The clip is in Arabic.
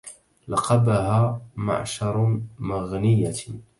لقبها معشر مغنية